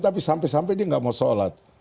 tapi sampai sampai dia nggak mau sholat